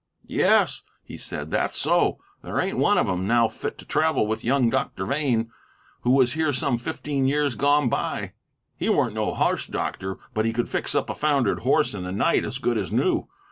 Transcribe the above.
"Yes," he said, "that's so. There ain't one of 'em now fit to travel with young Doctor Vane, who was here some fifteen years gone by. He weren't no horse doctor, but he could fix up a foundered horse in a night as good as new.